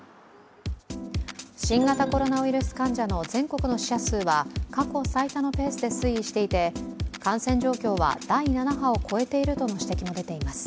新型コロナウイルス患者の全国の死者数は過去最多のペースで推移していて、感染状況は第７波を超えているとの指摘も出ています。